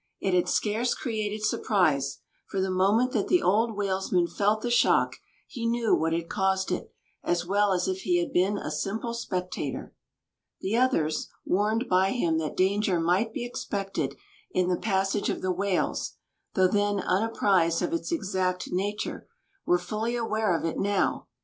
It had scarce created surprise; for the moment that the old whalesman felt the shock, he knew what had caused it, as well as if he had been a simple spectator. The others, warned by him that danger might be expected in the passage of the whales though then unapprised of its exact nature were fully aware of it now.